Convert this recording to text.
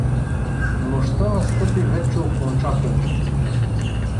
Нощта настъпи вече окончателно.